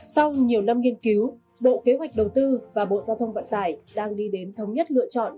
sau nhiều năm nghiên cứu bộ kế hoạch đầu tư và bộ giao thông vận tải đang đi đến thống nhất lựa chọn